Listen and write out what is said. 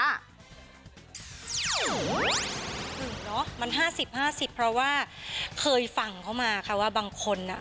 หรือเนอะมันห้าสิบห้าสิบเพราะว่าเคยฟังเขามาค่ะว่าบางคนอ่ะ